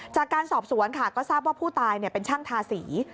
จากการสอบสวนค่ะก็ทราบว่าผู้ตายเป็นช่างทาสี